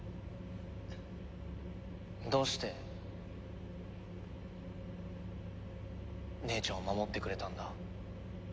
どうして姉ちゃんを守ってくれたんだ？